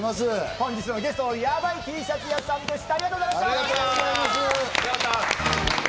本日のゲスト、ヤバイＴシャツ屋さんでした！